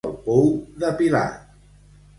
El pou de Pilat.